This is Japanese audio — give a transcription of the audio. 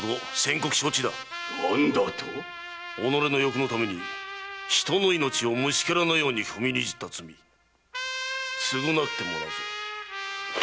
何だと⁉己の欲のために人の命を虫けらのように踏みにじった罪償ってもらう。